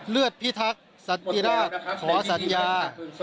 เลือดพิทักษ์สันติราชขอสัญญา